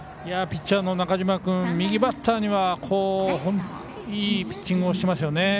ピッチャーの中嶋君右バッターにはいいピッチングをしてますよね。